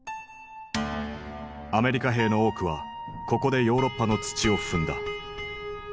アメリカ兵の多くはここでヨーロッパの土を踏んだ。